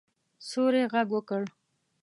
سیوري غږ وکړ.